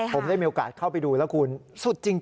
ผมได้มีโอกาสเข้าไปดูแล้วคุณสุดจริง